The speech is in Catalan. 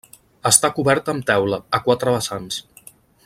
Està coberta amb teula, a quatre vessants.